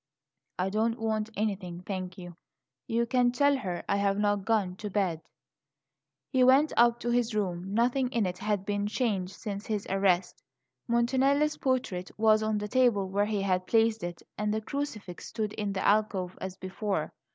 "I don't want anything, thank you; you can tell her I have not gone to bed." He went up to his room. Nothing in it had been changed since his arrest; Montanelli's portrait was on the table where he had placed it, and the crucifix stood in the alcove as before.